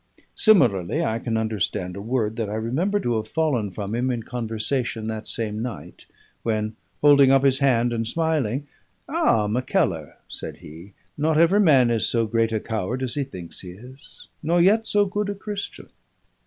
Similarly, I can understand a word that I remember to have fallen from him in conversation that same night; when, holding up his hand and smiling, "Ah! Mackellar," said he, "not every man is so great a coward as he thinks he is nor yet so good a Christian."